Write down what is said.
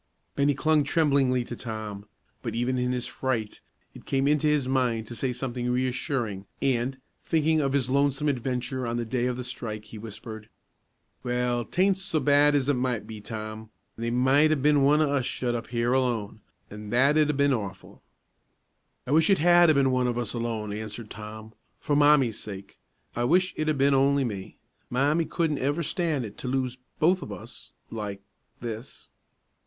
Bennie clung tremblingly to Tom; but, even in his fright, it came into his mind to say something reassuring, and, thinking of his lonesome adventure on the day of the strike, he whispered, "Well, 'taint so bad as it might be, Tom; they might 'a' been one of us shut up here alone, an' that'd 'a' been awful." "I wish it had 'a' been one of us alone," answered Tom, "for Mommie's sake. I wish it'd 'a' been only me. Mommie couldn't ever stan' it to lose both of us like this."